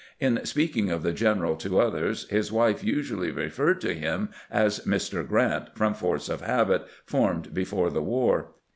In speaking of the general to others, his wife usually referred to him as " Mr. Grrant," from force of habit formed before the war.